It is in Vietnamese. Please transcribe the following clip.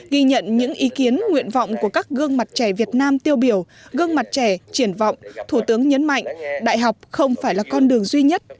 ghi nhận những ý kiến nguyện vọng của các gương mặt trẻ việt nam tiêu biểu gương mặt trẻ triển vọng thủ tướng nhấn mạnh đại học không phải là con đường duy nhất